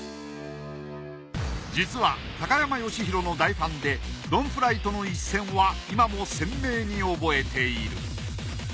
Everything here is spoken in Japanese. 実は高山善廣の大ファンでドン・フライとの一戦は今も鮮明に覚えている。